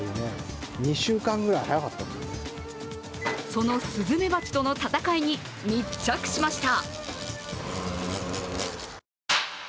そのすずめばちとの戦いに密着しました。